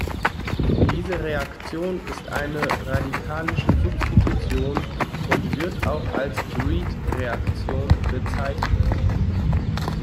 Diese Reaktion ist eine radikalische Substitution und wird auch als Reed-Reaktion bezeichnet.